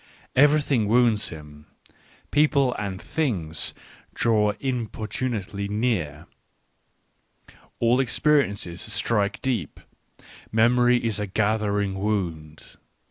Everything wounds him. People and things draw importun ately near, all experiences strike deep, memory is a gathering wound.